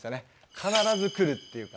必ず来るっていうか。